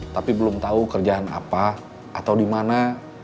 tapi belum tahu kerjaan apa atau di mana